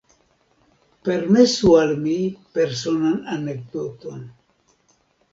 Permesu al mi personan anekdoton.